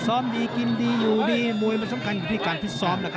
ซ้อมดีกินดีอยู่ดีมวยมันสำคัญอยู่ที่การพิษซ้อมนะครับ